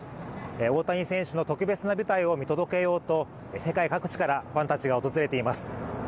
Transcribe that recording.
大谷選手の特別な舞台を見届けようと、世界各地からファンたちが訪れています。